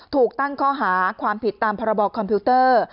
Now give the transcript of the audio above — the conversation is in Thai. ถูกตั้งข้อหาความผิดตามพรบคอมพิวเตอร์